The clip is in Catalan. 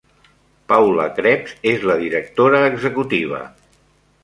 Paula Krebs és la directora executiva.